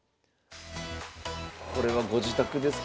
これはご自宅ですかね？